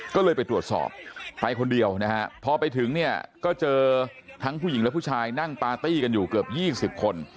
ก็เลยไปตรวจสอบไปคนเดียวนะฮะพอไปถึงเนี่ยก็เจอทั้งผู้หญิงและผู้ชายนั่งปาร์ตี้กันอยู่เกือบ๒๐คน